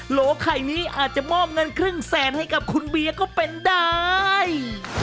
หลวงไข่นี้อาจจะมอบเงิน๕๐๐๐๐๐บาทให้กับคุณเบียก็เป็นได้